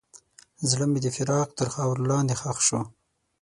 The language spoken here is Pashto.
زړه مې د فراق تر خاورو لاندې ښخ شو.